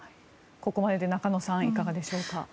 ここまでで中野さんいかがでしょうか。